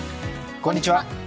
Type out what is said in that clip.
こんにちは。